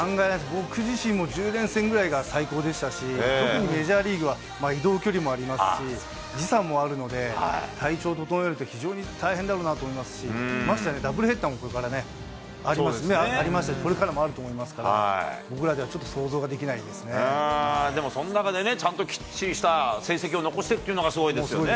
僕自身も１０連戦ぐらいが最高でしたし、特にメジャーリーグは、移動距離もありますし、時差もあるので、体調を整えるって、非常に大変だろうなと思いますし、ましてやダブルヘッダーもこれからね、ありますしね、これからもあると思いますから、僕らではちょっとでもその中で、ちゃんときっちりとした成績を残してというのがすごいですよね。